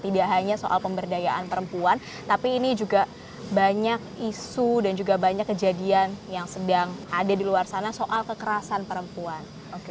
tidak hanya soal pemberdayaan perempuan tapi ini juga banyak isu dan juga banyak kejadian yang sedang ada di luar sana soal kekerasan perempuan